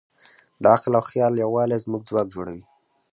د عقل او خیال یووالی زموږ ځواک جوړوي.